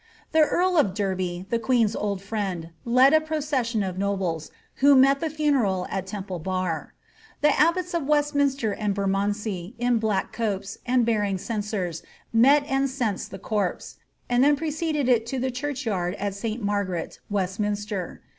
'' The earl of Derby, the queen's old friend, led a procession of nobles, who met the funeral at Temple bar. The abbots of Westminster and Ber roondsey in black copes, and bearing censers, met and censed the corpse, and then preceded it to the church yard of Sl Margaret, Westminster.